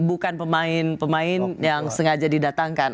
bukan pemain pemain yang sengaja didatangkan